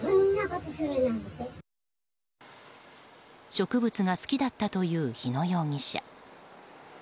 植物が好きだったという日野容疑者。